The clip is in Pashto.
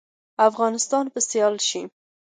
افغانستان به سیال کیږي؟